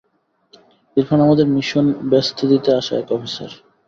ইরফান আমাদের মিশন ভেস্তে দিতে আসা এক অফিসার।